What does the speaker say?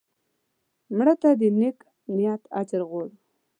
مړه ته د نیک نیت اجر غواړو